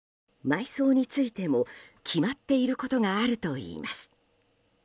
埋葬についても決まっていることがあるといいます。